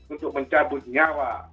untuk mencabut nyawa